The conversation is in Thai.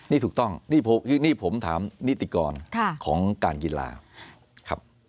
นี่ถูกต้องนี่ผมถามนิติกรของการกีฬาครับ